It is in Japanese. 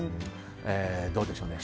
どうでしょうね。